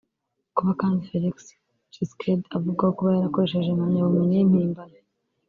Kuba kandi Félix Tshisekedi avugwaho kuba yarakoresheje impamyabumenyi y’impimbano